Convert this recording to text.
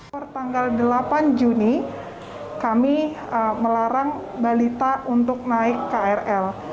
pertanggal delapan juni kami melarang balita untuk naik krl